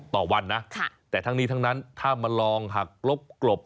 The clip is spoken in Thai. ต่อวันนะแต่ทั้งนี้ทั้งนั้นถ้ามาลองหักลบกลบ